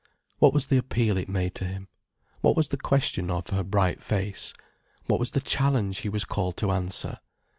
What was the appeal it made to him, what was the question of her bright face, what was the challenge he was called to answer?